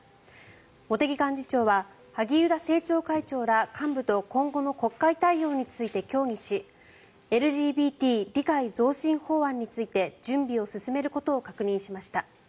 茂木幹事長は萩生田政調会長ら幹部と今後の国会対応について協議しＬＧＢＴ理解増進法案について準備を進めることを確認しました。